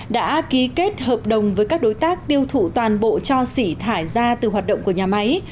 đã ký kết hợp đồng với các đối tác tiêu thụ toàn bộ cho xỉ thải ra từ hoạt động của nhà máy